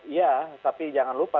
ya tapi jangan lupa